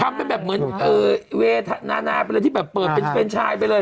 ทำเป็นแบบเหมือนเวทนานาไปเลยที่แบบเปิดเป็นเฟรนชายไปเลย